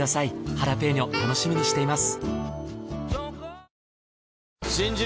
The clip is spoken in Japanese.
ハラペーニョ楽しみにしています。